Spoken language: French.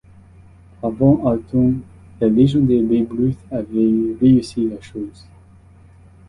Avant Hartung, le légendaire Babe Ruth avait réussi la chose.